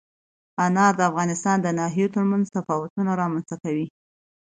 انار د افغانستان د ناحیو ترمنځ تفاوتونه رامنځ ته کوي.